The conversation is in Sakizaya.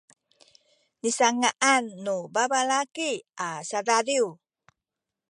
nisanga’an nu babalaki a sadadiw